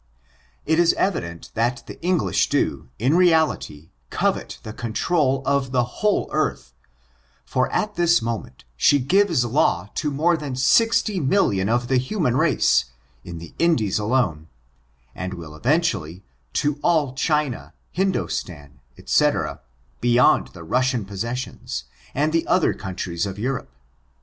It is evident, that the English do, in reality, covet the control of the whole earth; for at this moment, she gives law to more than sixty «i^^«^i^t^k^ ^^^^^^^#^^N^^^^^^^ S64 ORIGIN, CHARACTER, AND millions of the human race, in the Indies alone, and will, eventually, to all China, Hindoostan, dtc^ be yond the Russian possessions, and the other coua tries of Europe.